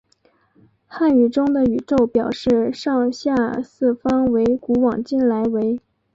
汉语中的宇宙表示上下四方为古往今来为。